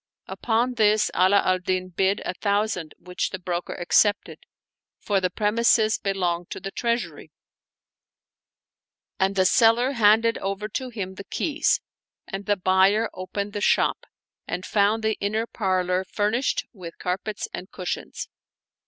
Upon this Ala al Din bid a thousand which the broker accepted, for the premises belonged to the Treasury ; and the seller handed over to him the keys, and the buyer opened the shop and found the inner par lor furnished with carpets and cushions.